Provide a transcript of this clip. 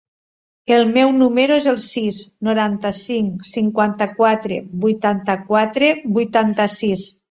El meu número es el sis, noranta-cinc, cinquanta-quatre, vuitanta-quatre, vuitanta-sis.